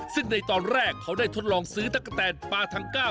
ซึ่งในตอนแรกเขาได้ทดลองซื้อตะกะแตนปลาทังก้า